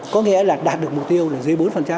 có nghĩa là đạt được mục tiêu là dưới bốn